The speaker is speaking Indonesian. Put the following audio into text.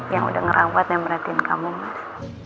yang udah ngerawat yang merhatiin kamu mas